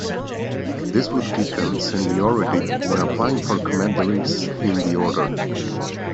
This would give them seniority when applying for commanderies in the Order.